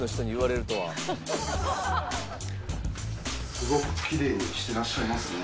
すごくきれいにしてらっしゃいますね。